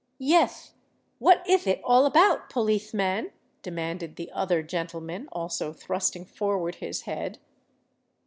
"Yeth—what ith it all about, poleethman?" demanded the other gentleman, also thrusting forward his head.